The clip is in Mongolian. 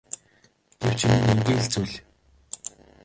Гэвч энэ нь энгийн л зүйл.